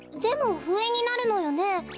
でもふえになるのよね。